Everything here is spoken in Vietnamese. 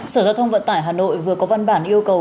sở giao thông vận tải hà nội vừa có văn bản yêu cầu